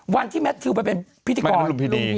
วันที่แมททิวไปเป็นพิธีกรลุมพินี